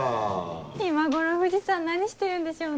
今頃藤さん何してるんでしょうね。